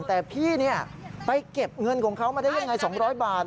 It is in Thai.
แต่พี่ไปเก็บเงินของเขามาได้ยังไง๒๐๐บาท